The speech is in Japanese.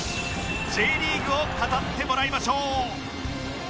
Ｊ リーグを語ってもらいましょう